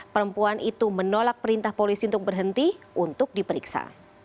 perempuan itu menolak perintah polisi untuk berhenti untuk diperiksa